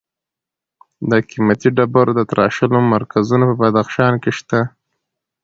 د قیمتي ډبرو د تراشلو مرکزونه په بدخشان کې شته.